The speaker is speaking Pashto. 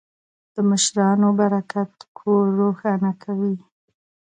د مشرانو برکت کور روښانه کوي.